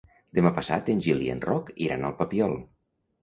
Demà passat en Gil i en Roc iran al Papiol.